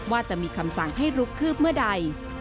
ว่าจะมีคำสั่งให้ลุกคืบเมื่อใด